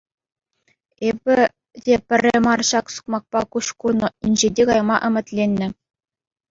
Эпӗ те пӗрре мар ҫак сукмакпа куҫ курнӑ инҫете кайма ӗмӗтленнӗ.